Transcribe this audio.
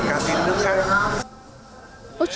các thị trường nước khác